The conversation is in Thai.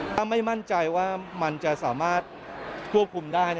ถ้าไม่มั่นใจว่ามันจะสามารถควบคุมได้